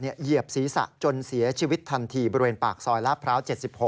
เหยียบศีรษะจนเสียชีวิตทันทีบริเวณปากซอยลาดพร้าว๗๖